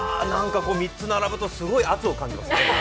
３つ並ぶとすごい圧を感じますね。